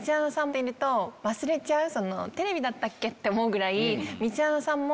忘れちゃうテレビだった？って思うぐらい。